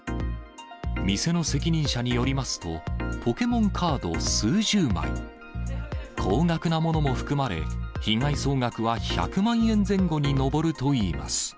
店の責任者によりますと、ポケモンカード数十枚、高額なものも含まれ、被害総額は１００万円前後に上るといいます。